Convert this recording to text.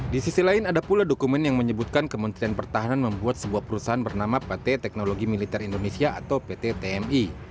di sisi lain ada pula dokumen yang menyebutkan kementerian pertahanan membuat sebuah perusahaan bernama pt teknologi militer indonesia atau pt tmi